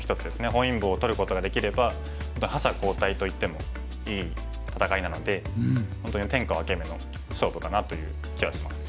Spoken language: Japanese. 本因坊を取ることができれば覇者交代といってもいい戦いなので本当に天下分け目の勝負かなという気がします。